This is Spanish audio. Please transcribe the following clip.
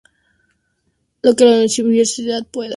Lo que la universidad puede.